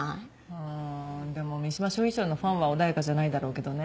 うんでも三島彰一郎のファンは穏やかじゃないだろうけどね。